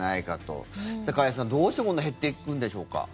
加谷さん、どうしてこんな減っていくんでしょうか。